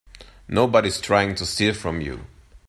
Nobody's trying to steal from you.